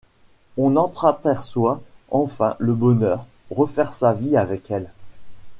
On entr'aperçoit enfin le bonheur, refaire sa vie avec elle.